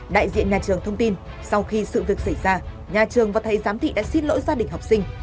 đại diện nhà trường thông tin sau khi sự việc xảy ra nhà trường và thầy giám thị đã xin lỗi gia đình học sinh